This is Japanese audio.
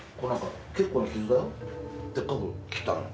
でっかく切ったのよ。